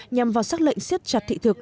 nhằm vào xác lệnh siết chặt thị thực